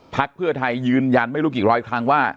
เพื่อไทยยืนยันไม่รู้กี่ร้อยครั้งว่า